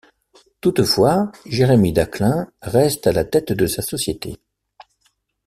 Toutefois, Jeremie Daclin reste à la tête de sa société.